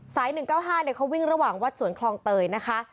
๑๙๕เขาวิ่งระหว่างวัดสวนคลองเตยนะคะ